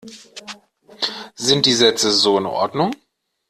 Sind die Sätze so in Ordnung?